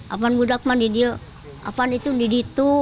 apalagi itu itu itu